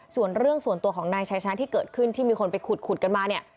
ส่วนเรื่องส่วนตัวของนายชายชนะที่เกิดขึ้นที่มีคนไปขุดกันมาเนี่ย